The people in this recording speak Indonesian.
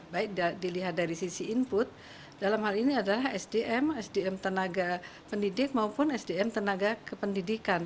baik dilihat dari sisi input dalam hal ini adalah sdm sdm tenaga pendidik maupun sdm tenaga kependidikan